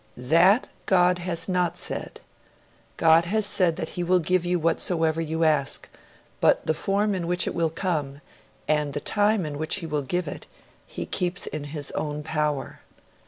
That, God has not said. God has said that He will give you whatsoever you ask; but the form in which it will come, and the time in which He will give it, He keeps in His own power.